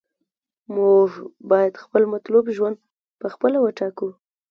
موږ باید خپل مطلوب ژوند په خپله وټاکو.